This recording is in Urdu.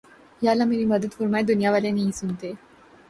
یا اللہ میری مدد فرمایہ دنیا والے نہیں سنتے